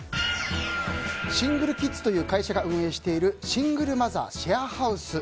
シングルキッズという会社が運営しているシングルマザーシェアハウス。